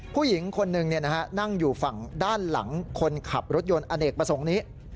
ผู้หญิงคนหนึ่งนั่งอยู่ฝั่งด้านหลังคนขับรถยนต์อเนกประสงค์นี้